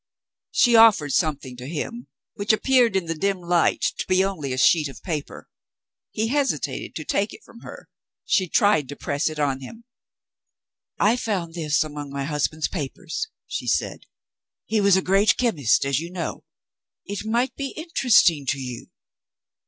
She offered something to him, which appeared in the dim light to be only a sheet of paper. He hesitated to take it from her. She tried to press it on him. "I found it among my husband's papers," she said. "He was a great chemist, as you know. It might be interesting to you."